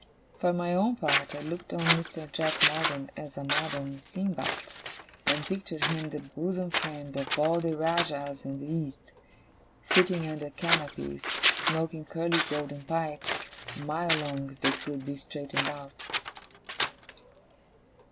For my own part, I looked on Mr. Jack Maldon as a modern Sindbad, and pictured him the bosom friend of all the Rajahs in the East, sitting under canopies, smoking curly golden pipes a mile long, if they could be straightened out.